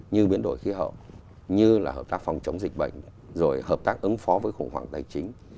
như biến đổi khí hậu như là hợp tác phòng chống dịch bệnh rồi hợp tác ứng phó với khủng hoảng tài chính